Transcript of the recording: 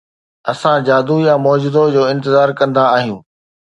اسان جادو يا معجزو جو انتظار ڪندا آهيون.